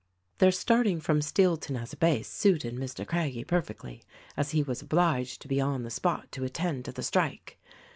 Their starting from Steelton as a base suited Mr. Craggie perfectly, as he was obliged to be on the spot to attend to the strike.